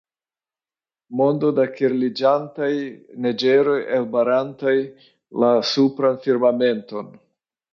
mondo da kirliĝantaj neĝeroj elbarantaj la supran firmamenton.